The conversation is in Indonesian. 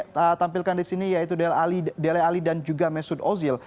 yang pertama yang kami tampilkan di sini yaitu dele ali dan juga mesut ozil